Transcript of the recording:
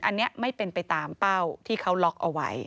อันนี้ไม่เป็นไปตามเป้าที่เขาล็อกเอาไว้